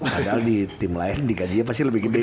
padahal di tim lain di gajinya pasti lebih gede